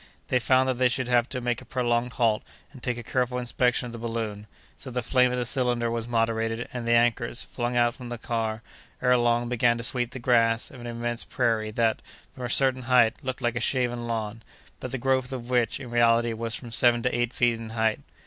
They found that they should have to make a prolonged halt, and take a careful inspection of the balloon: so the flame of the cylinder was moderated, and the anchors, flung out from the car, ere long began to sweep the grass of an immense prairie, that, from a certain height, looked like a shaven lawn, but the growth of which, in reality, was from seven to eight feet in height.